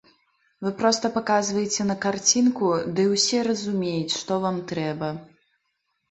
Вы проста паказваеце на карцінку, ды ўсе разумеюць, што вам трэба.